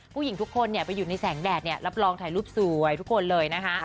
ผู้หญิงทุกคนไปอยู่ในแสงแดดเนี่ยรับรองถ่ายรูปสวยทุกคนเลยนะคะ